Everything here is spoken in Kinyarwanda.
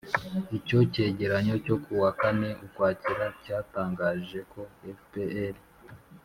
icyo cyegeranyo cyo ku wa kane ukwakira cyatangaje ko fpr